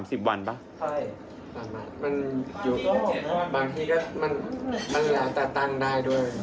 ใช่มันอยู่บางทีก็มันเหลือแต่ตังได้ด้วย